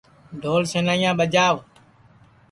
ڈھول سینائیاں ٻجاؤ